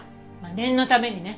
念のためにね。